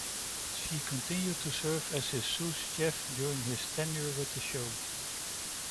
She continued to serve as his sous chef during his tenure with the show.